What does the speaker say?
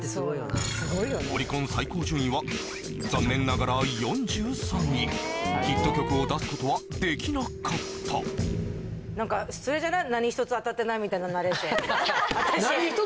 オリコン最高順位は残念ながら４３位ヒット曲を出すことはできなかったナレーション